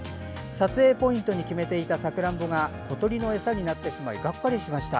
撮影ポイントに決めていたさくらんぼが小鳥の餌になってしまいがっかりしました。